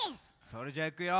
それじゃいくよ。